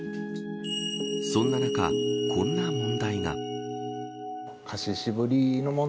そん中、こんな問題が。